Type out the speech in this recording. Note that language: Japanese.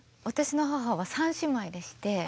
私の母は三姉妹でして。